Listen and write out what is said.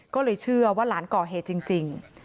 ก็เลยเชื่อว่าหลานก่อเหตุจริง